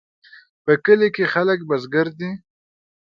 په کلي کې خلک بزګر دي